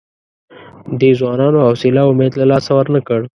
دې ځوانانو حوصله او امید له لاسه ورنه کړ.